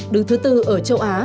đứng thứ bốn ở châu á